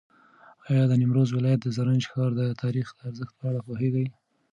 ایا د نیمروز ولایت د زرنج ښار د تاریخي ارزښت په اړه پوهېږې؟